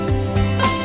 sống biển cao từ hai